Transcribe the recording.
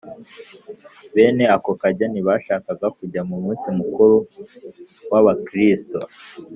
bene ako kageni bashakaga kujya mu munsi mukuru w Abakristo